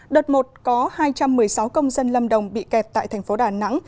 đợt một có hai trăm một mươi sáu công dân lâm đồng bị kẹt tại thành phố đà nẵng